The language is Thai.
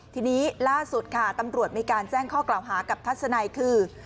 ทีนี้ล่าสุดค่ะตำรวจมีการแจ้งข้อกล่าวหากับทัศนัยคือ